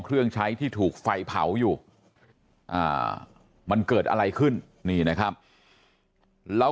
เครื่องใช้ที่ถูกไฟเผาอยู่มันเกิดอะไรขึ้นนี่นะครับแล้ว